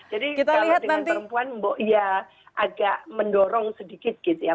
jadi kalau dengan perempuan ya agak mendorong sedikit gitu ya